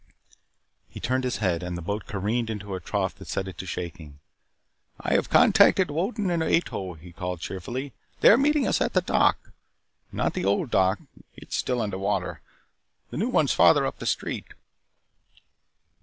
He turned his head, and the boat careened into a trough that set it to shaking. "I have contacted Wolden and Ato," he called cheerfully. "They are meeting us at the dock. Not the old dock it is still under water. The new one is farther up the street."